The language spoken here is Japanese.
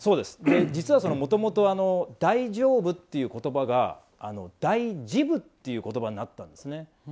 実はもともと「大丈夫」という言葉が「だいじぶ」という言葉になったんですね。